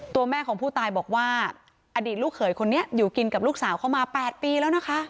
ตัวแม่ของผู้ตายบอกว่าอดีตลูกเขยคนนี้อยู่กินกับลูกสาวเข้ามา๘ปีแล้วนะคะ